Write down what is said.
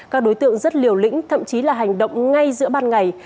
các đối tượng rất liều lĩnh thậm chí là hành động ngay giữa ban ngày